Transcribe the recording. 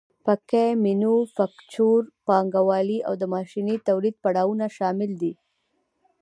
پکې مینوفکچور پانګوالي او د ماشیني تولید پړاوونه شامل دي